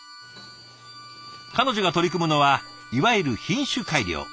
彼女が取り組むのはいわゆる品種改良。